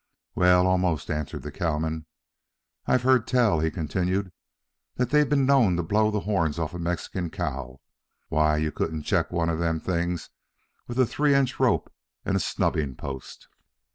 "Well, almost," answered the cowman. "I've heard tell," he continued, "that they've been known to blow the horns off a Mexican cow. Why, you couldn't check one of them things with a three inch rope and a snubbing post."